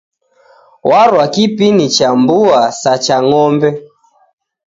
Warwa kipini cha mbuya sa cha ng'ombe